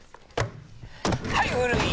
はい古い！